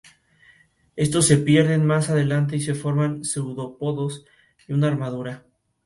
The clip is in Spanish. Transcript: El caso, ampliamente publicitado en Estados Unidos, coadyuvó al movimiento abolicionista.